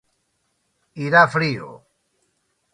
Irá frío.